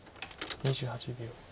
２８秒。